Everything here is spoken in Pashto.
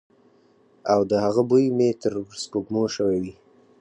او د هغه بوی مې تر سپوږمو شوی وی.